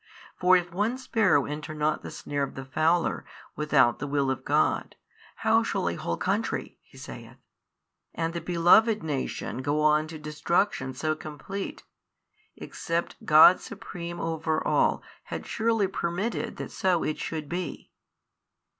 For if one sparrow enter not the snare of the fowler without the will of God, how shall a whole country, (He saith) and the beloved 21 nation go on to destruction so complete, except God supreme over all had surely permitted that so it should be?